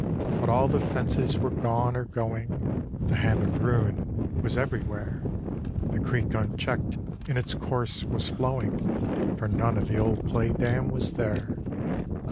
But all the fences were gone or going The hand of ruin was everywhere; The creek unchecked in its course was flowing, For none of the old clay dam was there.